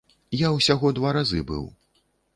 Я ўсяго два разы быў.